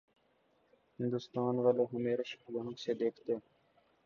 ہندوستان والے ہمیں رشک کی آنکھ سے دیکھتے۔